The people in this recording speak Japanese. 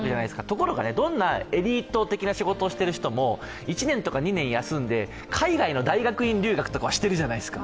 ところが、どんなエリート的な仕事をしていた人も１２年、休んで海外の大学院留学とかはしてるじゃないですか。